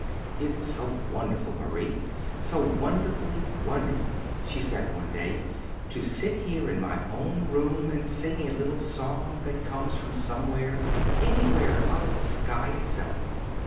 "It's so wonderful, Marie so wonderfully wonderful," she said one day, "to sit here in my own room and sing a little song that comes from somewhere, anywhere, out of the sky itself.